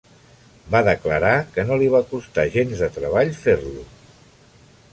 Va declarar que no li va costar gens de treball fer-lo.